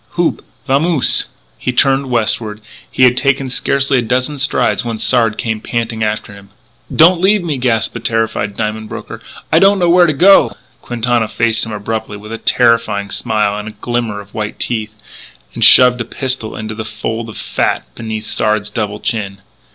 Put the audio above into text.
Houp! Vamose!" He turned westward; but he had taken scarcely a dozen strides when Sard came panting after him: "Don't leave me!" gasped the terrified diamond broker. "I don't know where to go " Quintana faced him abruptly with a terrifying smile and glimmer of white teeth and shoved a pistol into the fold of fat beneath Sard's double chin.